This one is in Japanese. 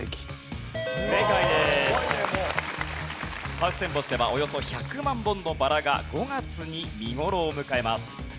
ハウステンボスではおよそ１００万本のバラが５月に見頃を迎えます。